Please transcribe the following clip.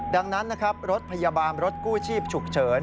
ดังนั้นนะครับรถพยาบาลรถกู้ชีพฉุกเฉิน